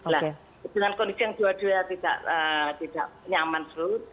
nah dengan kondisi yang dua duanya tidak nyaman surut